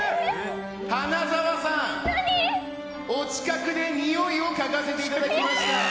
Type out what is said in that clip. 花澤さん、お近くでにおいを嗅がせていただきました。